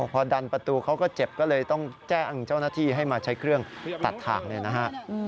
พอดันประตูเขาก็เจ็บก็เลยต้องแจ้งเจ้าหน้าที่ให้มาใช้เครื่องตัดทางเนี่ยนะฮะ